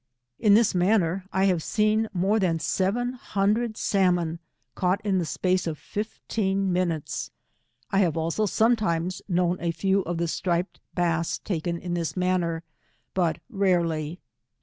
In this manner I have seen more thaa eeveu bandred salmon caught in tho 107 space of fifteen minutes. I have also sometime* kaowD a few of the striped bass takea iu this mac ner, bat rarely.